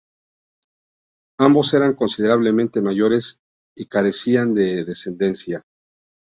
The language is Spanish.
Ambos eran considerablemente mayores y carecían de descendencia.